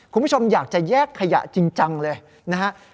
คุณผู้ชมอยากจะแยกขยะจริงจังเลยนะฮะ